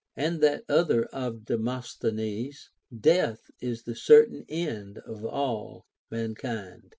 * And that other of Demosthenes, — Death is the certain end of all mankind.